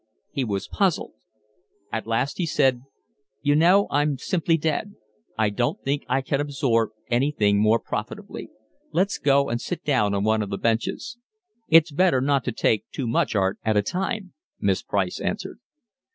He was puzzled. At last he said: "You know, I'm simply dead. I don't think I can absorb anything more profitably. Let's go and sit down on one of the benches." "It's better not to take too much art at a time," Miss Price answered.